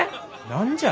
何じゃ？